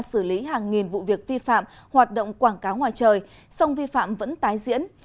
xử lý hàng nghìn vụ việc vi phạm hoạt động quảng cáo ngoài trời song vi phạm vẫn tái diễn